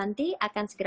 dan tidak tempat mati ya